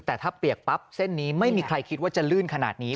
แต่ถ้าเปียกปั๊บเส้นนี้ไม่มีใครคิดว่าจะลื่นขนาดนี้